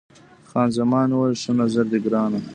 خان زمان وویل، ښه نظر دی ګرانه.